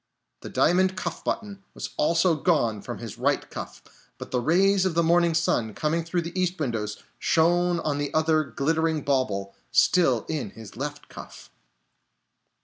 The diamond cuff button was also gone from his right cuff, but the rays of the morning sun, coming through the east windows, shone on the other glittering bauble, still in his left cuff.